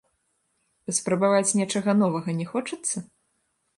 Паспрабаваць нечага новага не хочацца?